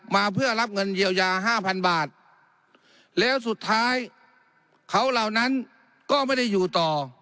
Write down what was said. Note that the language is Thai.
มาเพื่อรับเงินเยียวยาห้าพันบาทแล้วสุดท้ายเขาเหล่านั้นก็ไม่ได้อยู่ต่อ